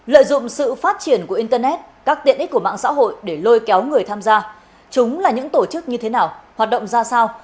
lợi dụng sự phát triển của internet các tiện ích của mạng xã hội để lôi kéo người tham gia chúng là những tổ chức như thế nào hoạt động ra sao